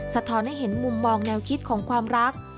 สะท้อนให้เห็นมุมมองแนวคิดของความรัก